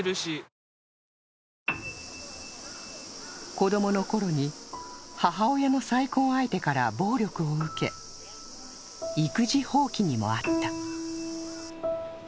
子供の頃に母親の再婚相手から暴力を受け、育児放棄にも遭った。